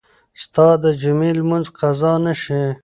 ستا د جمعې لمونځ قضا نه شي.